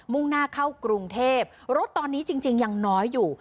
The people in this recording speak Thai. ่งหน้าเข้ากรุงเทพรถตอนนี้จริงยังน้อยอยู่